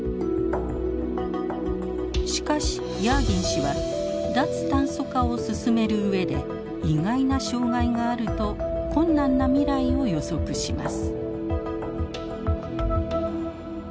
しかしヤーギン氏は脱炭素化を進める上で意外な障害があると困難な未来を予測します。